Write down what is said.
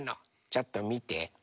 ちょっとみて。